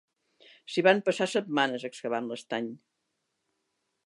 S'hi van passar setmanes excavant l'estany.